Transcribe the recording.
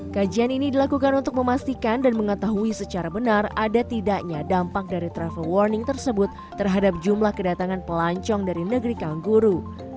kajian ini dilakukan untuk memastikan dan mengetahui secara benar ada tidaknya dampak dari travel warning tersebut terhadap jumlah kedatangan pelancong dari negeri kangguru